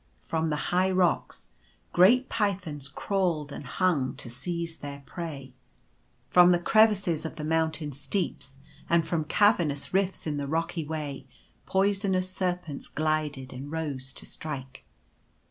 From the high rocks great pythons crawled and hung to seize their prey. From the crevices of the moun 144 Tfo terrors of the Way. tain steeps, and from cavernous rifts in the rocky way poisonous serpents glided and rose to strike.